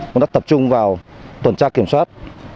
cũng đã tập trung vào tuần tra kiểm soát